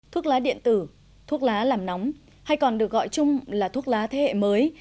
thuốc lá điện tử thuốc lá làm nóng hay còn được gọi chung là thuốc lá thế hệ mới